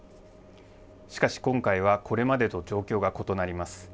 しかし今回は、これまでと状況が異なります。